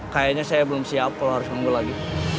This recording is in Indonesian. kayaknya saya belum siap kalau harus nunggu lagi